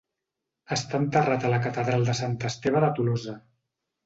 Està enterrat a la Catedral de Sant Esteve de Tolosa.